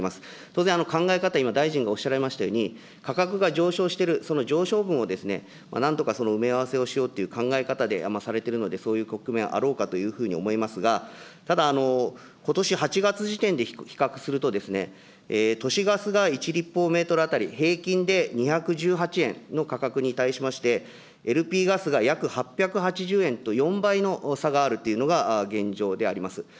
当然、考え方、今、大臣がおっしゃられましたように、価格が上昇してる、その上昇分をなんとか埋め合わせをしようという考え方でされてるので、そういう局面あろうかと思いますが、ただ、ことし８月時点で比較すると、都市ガスが１立方メートル当たり平均で２１８円の価格に対しまして、ＬＰガスが約８８０円と４倍の差があるというのが現状であります。